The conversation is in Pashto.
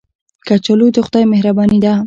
کچالو د خدای مهرباني ده